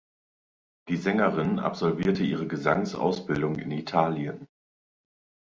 Die Sängerin absolvierte ihre Gesangsausbildung in Italien.